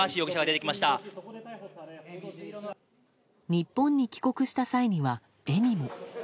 日本に帰国した際には笑みも。